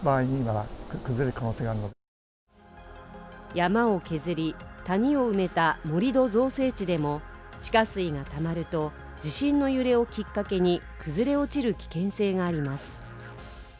山を削り谷を埋めた盛り土造成地でも地下水がたまると地震の揺れをきっかけに崩れ落ちる危険性があります